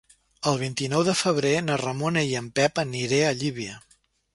El vint-i-nou de febrer na Ramona i en Pep aniré a Llívia.